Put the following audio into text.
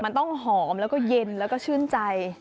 มันต้องหอมแล้วก็เย็นแล้วก็ชื่นใจ